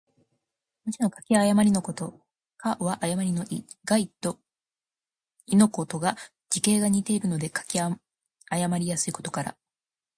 文字の書き誤りのこと。「譌」は誤りの意。「亥」と「豕」とが、字形が似ているので書き誤りやすいことから。